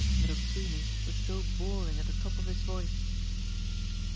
Little Sweeney was still bawling at the top of his voice.